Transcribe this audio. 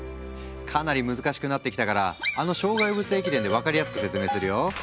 かなり難しくなってきたからあの障害物駅伝で分かりやすく説明するよ。